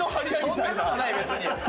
そんな事ない別に。